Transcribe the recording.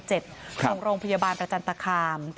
ถึงโรงพยาบาลประจันตคาร์ม